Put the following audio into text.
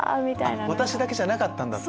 私だけじゃなかったんだ！